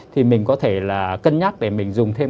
thì mình có thể là cân nhắc để mình dùng thêm